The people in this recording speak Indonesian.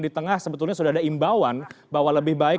di tengah sebetulnya sudah ada imbauan bahwa lebih baik